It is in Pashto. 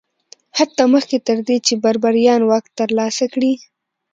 حتی مخکې تر دې چې بربریان واک ترلاسه کړي